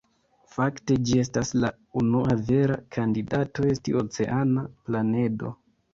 Fakte ĝi estas la unua vera kandidato esti oceana planedo.